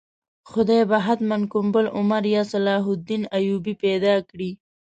خدای به حتماً کوم بل عمر یا صلاح الدین ایوبي پیدا کړي.